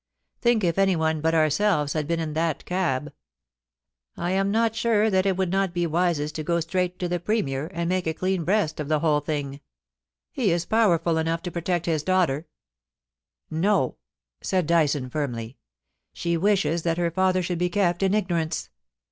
Think if anyone but our selves had been in that cab 1 I am not sure that it would 366 POLICY AND PASS/OAT. not be wisest to go straight to the Premier, and make a dean breast of the whole thing. He is powerful enough to protect his daughter.' *No,' said Dyson, firmly. *She wishes that her father should be kept in ignorance.